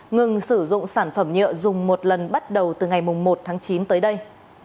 ngừng sử dụng sản phẩm nhựa dùng một lần bắt đầu từ ngày một tháng chín tới đây